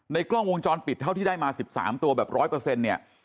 ในกล้องวงจรปิดเท่าที่ได้มา๑๓ตัวแบบ๑๐๐เปอร์เซ็นต์เนี่ย